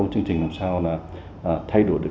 một chương trình làm sao là thay đổi được